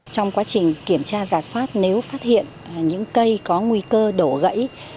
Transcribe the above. trong quá trình kiểm tra giả soát nếu phát hiện những cây có nguy cơ đổ gãy